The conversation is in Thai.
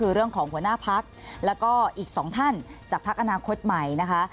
คือเรื่องของหัวหน้าพักแล้วก็อีกสองท่านจากพักอนาคตใหม่นะคะ